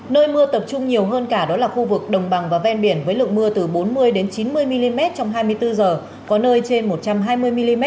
nơi mưa tập trung nhiều hơn cả đó là khu vực đồng bằng và ven biển với lượng mưa từ bốn mươi chín mươi mm trong hai mươi bốn h có nơi trên một trăm hai mươi mm